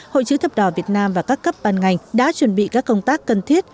hội chữ thập đỏ việt nam và các cấp ban ngành đã chuẩn bị các công tác cần thiết